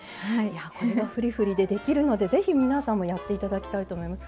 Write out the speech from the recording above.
これがふりふりでできるのでぜひ皆さんもやっていただきたいと思います。